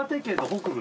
北部？